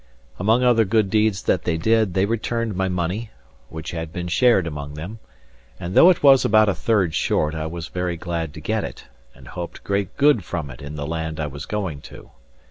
Among other good deeds that they did, they returned my money, which had been shared among them; and though it was about a third short, I was very glad to get it, and hoped great good from it in the land I was going to.